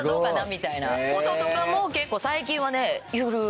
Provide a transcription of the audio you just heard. みたいなこととかも結構最近はね言う。